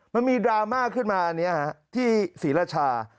มันมีดราม่าขึ้นมาอันนี้ที่ศรีราชา